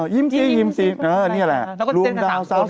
อ๋อยิ้มซียิ้มซีนี่แหละ